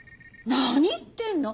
何言ってんの？